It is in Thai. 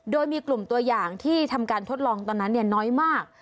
โดยมีกลุ่มตัวอย่างที่ทำการทดลองตอนนั้นน้อยมาก